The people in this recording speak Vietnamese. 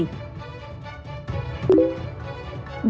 vấn đề của bot